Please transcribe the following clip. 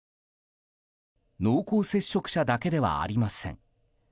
濃厚接触者だけではありません。